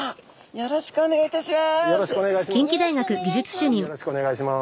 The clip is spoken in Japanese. よろしくお願いします。